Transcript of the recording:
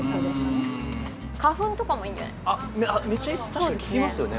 確かに効きますよね